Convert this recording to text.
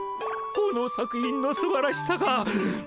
この作品のすばらしさが。